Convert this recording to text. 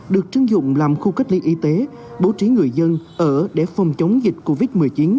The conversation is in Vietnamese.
được chứng dụng làm khu cách ly y tế bố trí người dân ở để phòng chống dịch covid một mươi chín